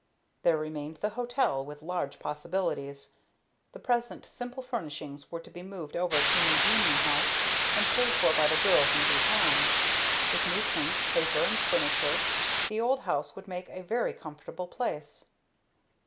There remained the hotel, with large possibilities. The present simple furnishings were to be moved over to New Union House, and paid for by the girls in due time. With new paint, paper, and furniture, the old house would make a very comfortable place.